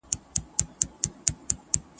له هیندوکوهه